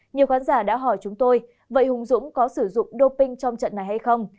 nhiều khán giả đã hỏi chúng tôi vậy hùng dũng có sử dụng doping trong trận này hay không